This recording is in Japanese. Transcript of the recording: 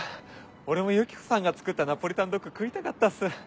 俺もユキコさんが作ったナポリタンドッグ食いたかったっす。